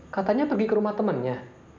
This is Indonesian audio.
katanya pergi ke rumah temannya